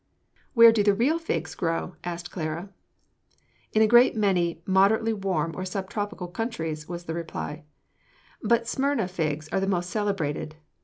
"Where do the real figs grow?" asked Clara. "In a great many moderately warm or sub tropical countries," was the reply, "but Smyrna figs are the most celebrated.